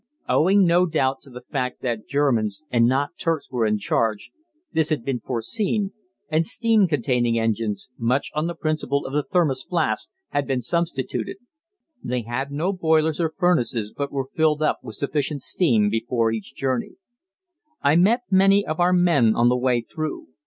Owing no doubt to the fact that Germans and not Turks were in charge, this had been foreseen, and steam containing engines, much on the principle of the thermos flask, had been substituted. They had no boilers or furnaces, but were filled up with sufficient steam before each journey. I met many of our men on the way through.